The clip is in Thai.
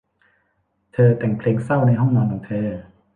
เธอแต่งเพลงเศร้าในห้องนอนของเธอ